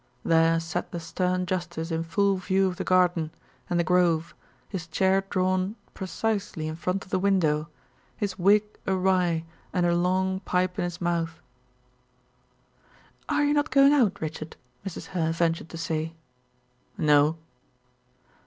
There sat the stern justice in full view of the garden and the grove, his chair drawn precisely in front of the window, his wig awry, and a long pipe in his mouth. "Are you not going out, Richard?" Mrs. Hare ventured to say. "No."